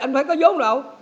anh phải có giống đâu